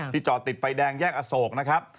จอดติดไฟแดงแยกอโศกนะครับ